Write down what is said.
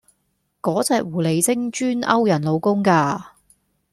個隻狐狸精專勾人老公架